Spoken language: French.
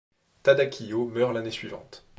Tadakiyo meurt l'année suivante.